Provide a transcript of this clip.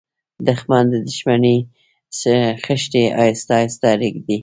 دښمن د دښمنۍ خښتې آهسته آهسته ږدي